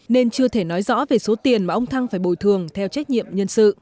nên chưa thể nói rõ về số tiền mà ông thăng phải bồi thường theo trách nhiệm nhân sự